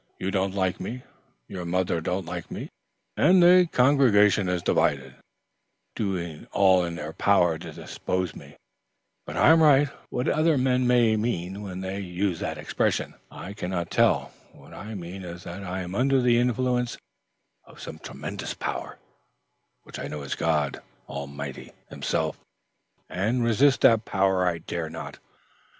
"You don't like me, your mother don't like me, and the congregation is divided, doing all in their power to dispossess me; but I am right. What other men may mean when they use that expression, I cannot tell. What I mean is that I am under the influence of some tremendous power, which I know is God Almighty, Himself, and resist that power I dare not.